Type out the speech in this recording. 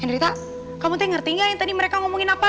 hendrita kamu ntar ngerti gak yang tadi mereka ngomongin apa